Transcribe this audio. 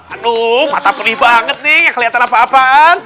anung mata perih banget nih gak kelihatan apa apaan